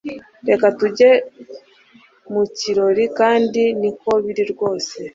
Reka tujye mu kirori kandi niko biri rwose